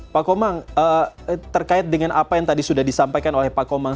pak komang terkait dengan apa yang tadi sudah disampaikan oleh pak komang